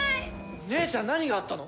姉ちゃん何があったの！？